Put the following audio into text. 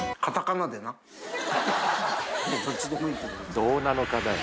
どうなの課」だよ。